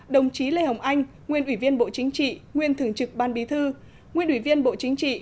đồng chí lê hồng anh nguyên ủy viên bộ chính trị nguyên thường trực ban bí thư nguyên ủy viên bộ chính trị